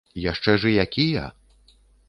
Яшчэ ж і якія!